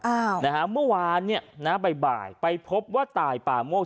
อ้าวนะฮะเมื่อวานเนี่ยนะบ่ายไปพบว่าตายป่าโมก